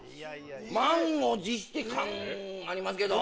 満を持して感ありますけど。